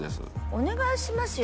お願いしますよ。